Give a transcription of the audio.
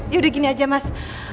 yaudah gini aja mas